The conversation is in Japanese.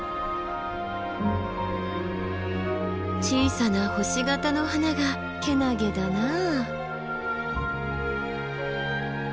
小さな星形の花がけなげだなあ。